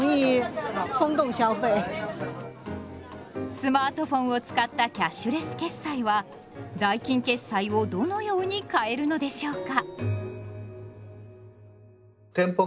スマートフォンを使ったキャッシュレス決済は代金決済をどのように変えるのでしょうか？